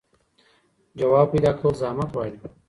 ځواب پيدا کول زحمت غواړي.